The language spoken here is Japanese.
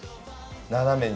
斜めに。